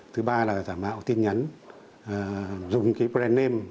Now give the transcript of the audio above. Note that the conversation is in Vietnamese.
thứ ba là giả mạo tin nhắn dùng cái brand name